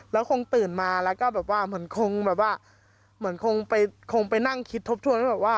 แล้วคงตื่นมาแล้วก็แบบว่าเหมือนคงไปนั่งคิดทบทวน